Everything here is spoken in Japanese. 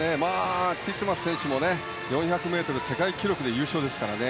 ティットマス選手も４００ｍ世界記録で優勝ですからね